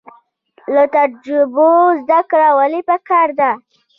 له تجربو زده کړه ولې پکار ده؟